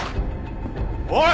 おい！